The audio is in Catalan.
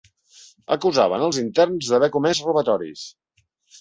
Acusaven els interns d’haver comès robatoris.